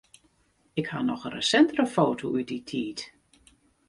Ik haw noch in resintere foto út dy tiid.